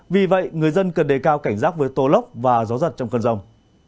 vì vậy người dân cần đầy cao cảnh giác với tố lốc và gió giật trong cơn rông